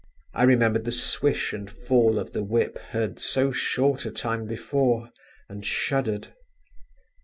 I remembered the swish and fall of the whip, heard so short a time before, and shuddered.